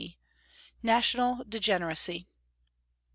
C. NATIONAL DEGENERACY.